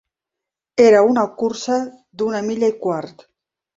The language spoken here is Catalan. Era una cursa d'una milla i quart.